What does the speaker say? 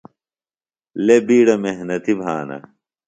لے بِیڈہ محنتیۡ بھانہ۔